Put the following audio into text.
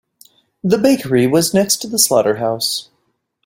The bakery was next to the slaughterhouse.